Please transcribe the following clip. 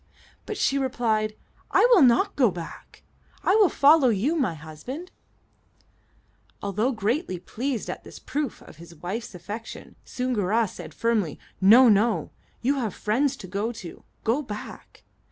But she replied, "I will not go back; I will follow you, my husband." Although greatly pleased at this proof of his wife's affection, Soongoora said firmly: "No, no; you have friends to go to. Go back."